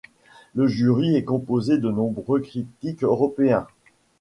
Le jury est composé de nombreux critiques européens.